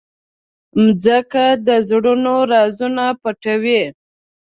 مځکه د زړونو رازونه پټوي.